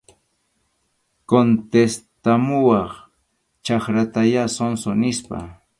Contestamuwaq chakratayá, zonzo, nispa.